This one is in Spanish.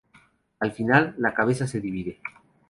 Al final, la cabeza se divide.